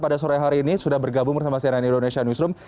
pada sore hari ini sudah bergabung bersama cnn indonesia newsroom